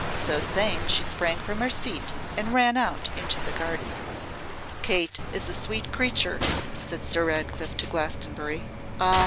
So saying, she sprang from her seat, and ran out into the garden. 'Kate is a sweet creature,' said Sir Ratcliffe to Glastonbury. 'Ah!